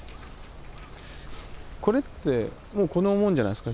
これってもうこの門じゃないですか？